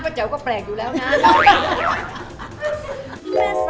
อะไรมั้ยครับ